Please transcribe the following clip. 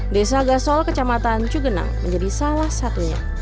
desa gasol kecamatan cugenang menjadi salah satunya